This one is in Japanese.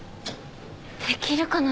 できるかな？